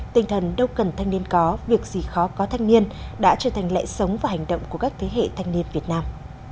tinh thần đâu cần thanh niên có việc gì khó có thanh niên đã trở thành lẽ sống và hành động của các thế hệ thanh niên việt nam